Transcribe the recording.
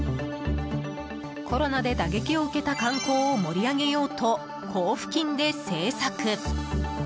コロナで打撃を受けた観光を盛り上げようと交付金で制作。